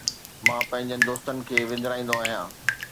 مان پنهنجن دوستن کي وندرائيندو آهيان